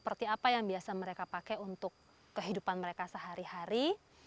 seperti apa yang biasa mereka pakai untuk kehidupan mereka sehari hari